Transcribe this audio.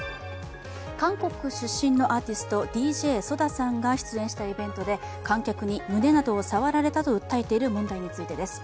韓国出身のアーティストＤＪＳＯＤＡさんが出演したイベントで観客に胸などを触られたと訴えている問題についてです。